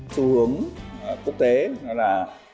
xu hướng quốc tế là